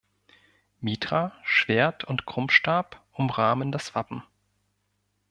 Mitra, Schwert und Krummstab umrahmen das Wappen.